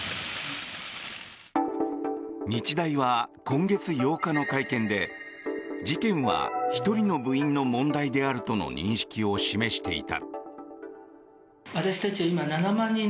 日大は今月８日の会見で事件は１人の部員の問題であるとの認識を示していた。